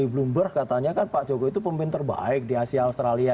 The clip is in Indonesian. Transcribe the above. bloomberg katanya kan pak jokowi itu pemimpin terbaik di asia australia